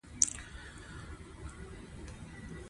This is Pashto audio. سيب يوه په زړه پوري ميوه ده